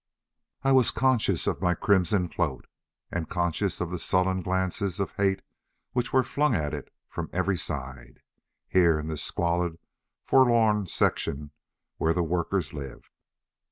I was conscious of my crimson cloak, and conscious of the sullen glances of hate which were flung at it from every side, here in this squalid, forlorn section where the workers lived.